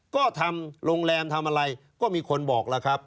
ก็ทำโรงแรมทำอะไรก็มีคนบอกแล้วครับ